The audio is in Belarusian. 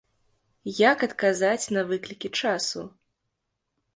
Як адказаць на выклікі часу?